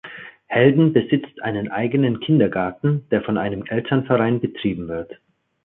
Helden besitzt einen eigenen Kindergarten, der von einem Elternverein betrieben wird.